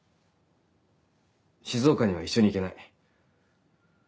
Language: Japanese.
静岡には一緒に行けない。